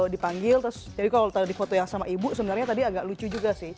dipanggil terus jadi kalau tadi foto yang sama ibu sebenarnya tadi agak lucu juga sih